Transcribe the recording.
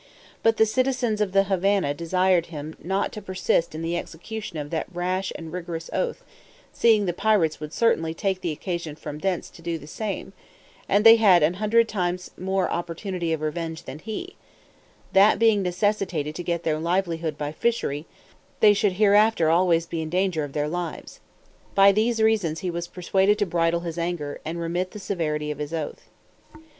But the citizens of the Havannah desired him not to persist in the execution of that rash and rigorous oath, seeing the pirates would certainly take occasion from thence to do the same, and they had an hundred times more opportunity of revenge than he; that being necessitated to get their livelihood by fishery, they should hereafter always be in danger of their lives. By these reasons he was persuaded to bridle his anger, and remit the severity of his oath.